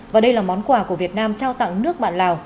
và đây là món quà của việt nam trao tặng nước bạn lào